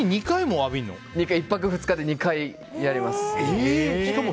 １泊２日で２回やります。